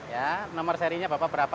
ya nomor serinya bapak berapa